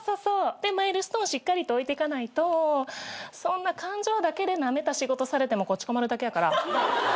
マイルストーンしっかりと置いていかないとそんな感情だけでなめた仕事されてもこっち困るだけやから。